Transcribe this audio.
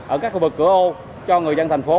ở các khu vực cửa ô cho người dân thành phố